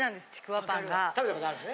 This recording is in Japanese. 食べたことあるのね。